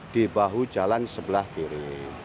di bahu jalan sebelah kiri